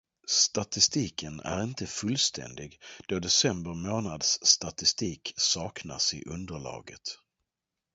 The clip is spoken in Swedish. Statistiken är inte fullständig då december månads statistik saknas i underlaget.